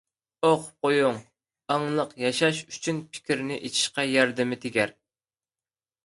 ئوقۇپ قويۇڭ، ئاڭلىق ياشاش ئۈچۈن پىكىرنى ئېچىشقا ياردىمى تېگەر.